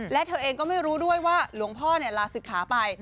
และเธอเองก็ไม่รู้ด้วยว่าหลวงพ่อลาศึกขาไป